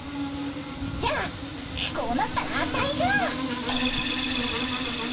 じゃあこうなったらアタイが。